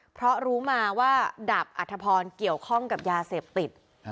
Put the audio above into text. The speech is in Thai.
เพราะรู้มาว่าดาบอัธพรเกี่ยวข้องกับยาเสพติด